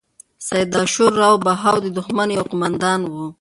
سداشیو راو بهاو د دښمن یو قوماندان و.